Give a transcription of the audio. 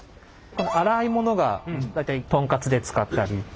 この粗いものが大体トンカツで使ったり。